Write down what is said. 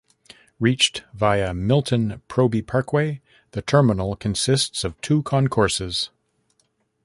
Reached via Milton Proby Parkway, the terminal consists of two concourses.